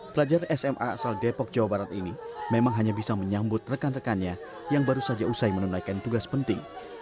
pelajar sma asal depok jawa barat ini memang hanya bisa menyambut rekan rekannya yang baru saja usai menunaikan tugas penting